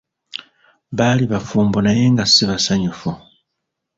Baali bafumbo naye nga si basanyufu.